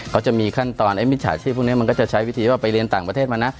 เขาจะมีขั้นตอนไอ้มิจฉาชีพพวกนี้มันก็จะใช้วิธีว่าไปเรียนต่างประเทศมานะ